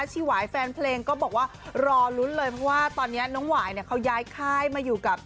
ชีหวายแฟนเพลงก็บอกว่ารอลุ้นเลยเพราะว่าตอนนี้น้องหวายเนี่ยเขาย้ายค่ายมาอยู่กับ